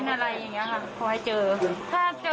ขออนุญาตให้เค้าเป็นอะไรอย่างนี้ค่ะขอให้เจอ